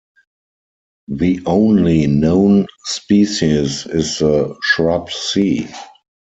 The only know species is the shrub C.